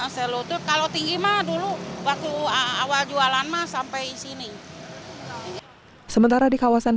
selutut kalau tinggi mah dulu waktu awal jualan mah sampai sini sementara di kawasan